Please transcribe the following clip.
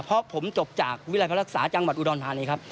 เพราะผมจบจากวิรัยพระรักษาจังหวัดอุดรธานีครับ